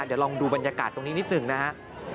เดี๋ยวลองดูบรรยากาศตรงนี้นิดหนึ่งนะฮะ